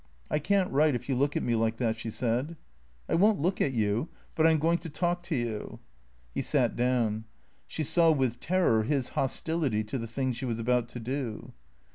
" I can't write if you look at me like that," she said. " I won't look at you ; but I 'm going to talk to you." He sat down. She saw with terror his hostility to the thing she was about to do.